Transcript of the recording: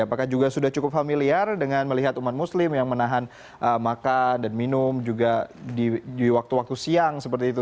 apakah juga sudah cukup familiar dengan melihat umat muslim yang menahan makan dan minum juga di waktu waktu siang seperti itu